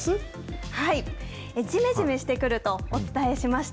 じめじめしてくるとお伝えしました。